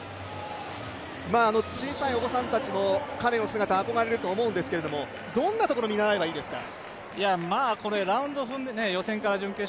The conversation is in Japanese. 小さいお子さんたちも彼の姿に憧れると思うんですけど、どんなところを見習えばいいですか？